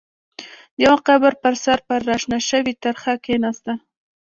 د يوه قبر پر سر پر را شنه شوې ترخه کېناسته.